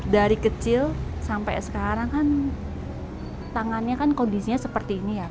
dari kecil sampai sekarang kan tangannya kan kondisinya seperti ini ya